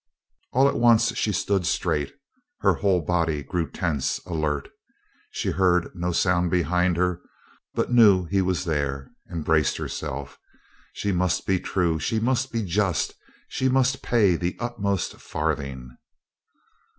All at once she stood straight; her whole body grew tense, alert. She heard no sound behind her, but knew he was there, and braced herself. She must be true. She must be just. She must pay the uttermost farthing.